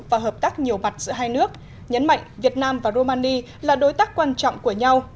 và hợp tác nhiều mặt giữa hai nước nhấn mạnh việt nam và romani là đối tác quan trọng của nhau